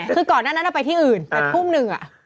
คือก่อนหน้านั้นไปที่อื่นแต่ทุ่มหนึ่ง